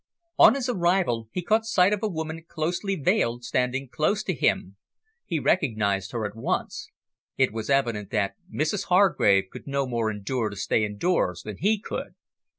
On his arrival, he caught sight of a woman closely veiled standing close beside him. He recognised her at once. It was evident that Mrs Hargrave could no more endure to stay indoors than he could.